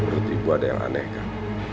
menurut ibu ada yang aneh kan